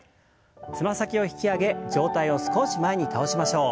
つま先を引き上げ上体を少し前に倒しましょう。